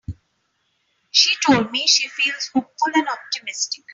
She told me she feels hopeful and optimistic.